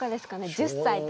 １０歳とか。